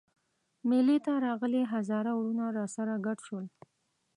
مېلې ته راغلي هزاره وروڼه راسره ګډ شول.